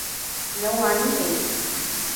Não há ninguém.